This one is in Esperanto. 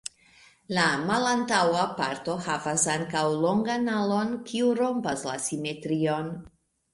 La malantaŭa parto havas ankaŭ longan alon, kiu rompas la simetrion.